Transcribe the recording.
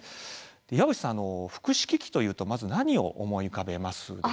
岩渕さん、福祉機器というとまず何を思い浮かべますか？